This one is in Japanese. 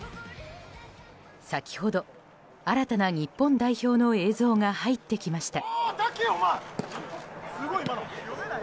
先ほど、新たな日本代表の映像が入ってきました。